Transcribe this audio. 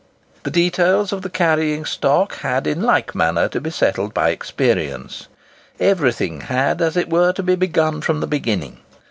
The details of the carrying stock had in like manner to be settled by experience. Everything had, as it were, to be begun from the beginning.